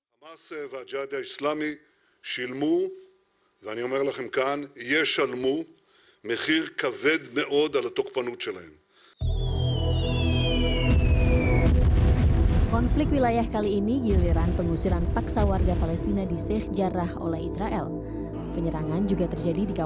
hamas dan jihad islami akan menolong dan saya beri tahu anda di sini